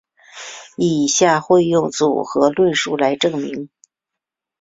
以下会用组合论述来证明。